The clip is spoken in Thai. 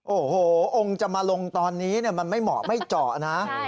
โอ้โหองค์จะมาลงตอนนี้มันไม่เหมาะไม่เจาะนะ